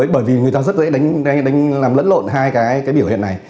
bởi vì người ta rất dễ đánh làm lẫn lộn hai cái biểu hiện này